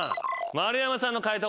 丸山さんの解答